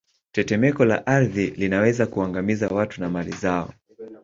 Tetemeko la ardhi linaweza kuangamiza watu na mali zao